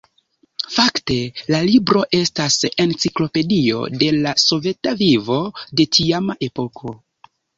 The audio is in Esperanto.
Fakte la libro estas enciklopedio de la soveta vivo de tiama epoko.